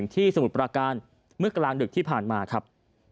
สมุทรประการเมื่อกลางดึกที่ผ่านมาครับ